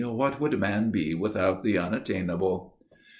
What would man be without the unattainable?